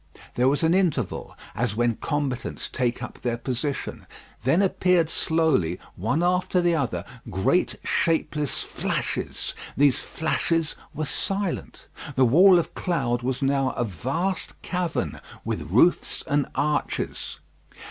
There was an interval, as when combatants take up their position. Then appeared slowly, one after the other, great shapeless flashes; these flashes were silent. The wall of cloud was now a vast cavern, with roofs and arches.